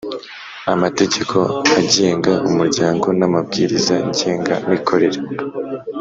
Amategeko agenga umuryango n’amabwiriza ngenga mikorere